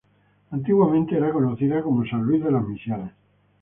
Antiguamente era conocida como San Luis de las Misiones.